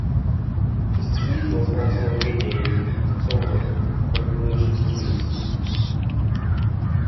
The street was also renamed "October Revolution Street".